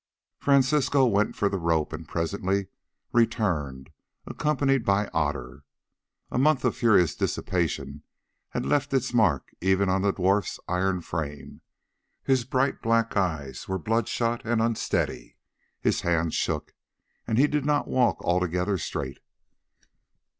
Francisco went for the rope and presently returned accompanied by Otter. A month of furious dissipation had left its mark even on the dwarf's iron frame. His bright black eyes were bloodshot and unsteady, his hand shook, and he did not walk altogether straight.